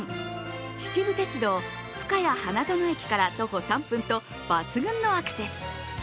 秩父鉄道・ふかや花園駅から徒歩３分と抜群のアクセス。